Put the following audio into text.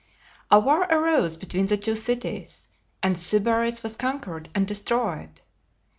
A war arose between the two cities, and Sybaris was conquered and destroyed.